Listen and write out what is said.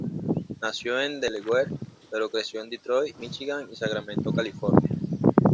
Nació en Delaware, pero creció en Detroit, Michigan y Sacramento, California.